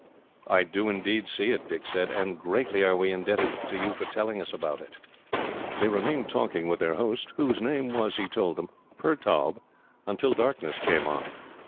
"I do indeed see it," Dick said, "and greatly are we indebted to you for telling us of it." They remained talking with their host, whose name was, he told them, Pertaub, until darkness came on.